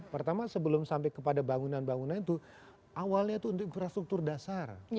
pertama sebelum sampai kepada bangunan bangunan itu awalnya itu untuk infrastruktur dasar